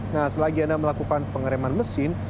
nah selagi anda melakukan pengereman mesin